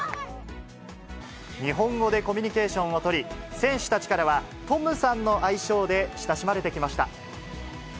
日本語でコミュニケーションを取り、選手たちからはトムさんの愛称で親しまれてきました。